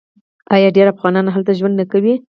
آیا ډیر افغانان هلته ژوند نه کوي؟